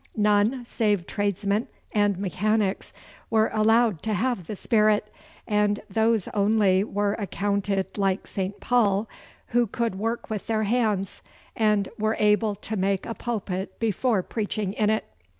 None save tradesmen and mechanics were allowed to have the Spirit, and those only were accounted like St. Paul who could work with their hands, and were able to make a pulpit before preaching in it.